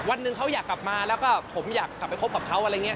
วันหนึ่งเขาอยากกลับมาแล้วก็ผมอยากกลับไปคบกับเขาอะไรอย่างนี้